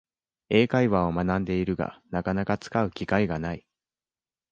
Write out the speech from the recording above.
英会話を学んでいるが、なかなか使う機会がない